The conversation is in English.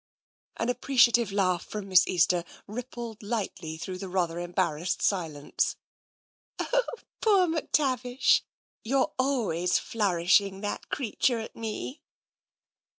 An appreciative laugh from Miss Easter rippled lightly through the rather embarrassed silence. "Oh, poor McTavish! You're always flourishing that creature at me